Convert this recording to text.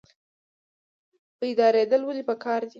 بیداریدل ولې پکار دي؟